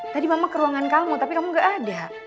tadi mama ke ruangan kamu tapi kamu gak ada